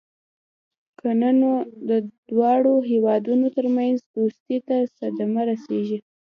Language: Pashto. کنه نو د دواړو هېوادونو ترمنځ دوستۍ ته صدمه رسېږي.